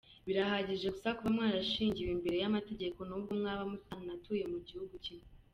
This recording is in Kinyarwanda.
Birahagije gusa kuba mwarashyingiwe imbere y’amategeko n’ubwo mwaba mutanatuye mu gihugu kimwe.